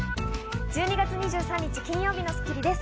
１２月２３日、金曜日の『スッキリ』です。